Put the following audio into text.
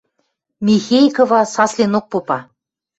Михей кыва сасленок попа.